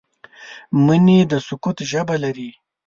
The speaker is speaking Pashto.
مني د سکوت ژبه لري